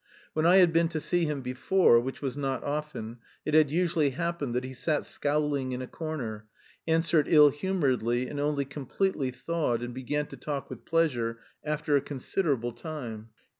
When I had been to see him before (which was not often) it had usually happened that he sat scowling in a corner, answered ill humouredly and only completely thawed and began to talk with pleasure after a considerable time.